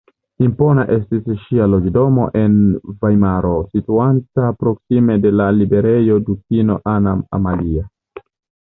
Impona estis ŝia loĝdomo en Vajmaro, situanta proksime de la Librejo Dukino Anna Amalia.